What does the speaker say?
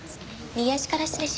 右足から失礼します。